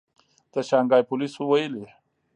د شانګهای پولیسو ویلي